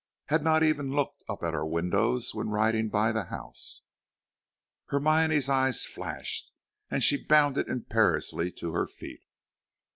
"has not even looked up at our windows when riding by the house." Hermione's eye flashed, and she bounded imperiously to her feet.